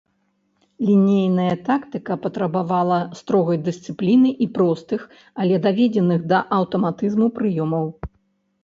Лінейная тактыка патрабавала строгай дысцыпліны і простых, але даведзеных да аўтаматызму прыёмаў.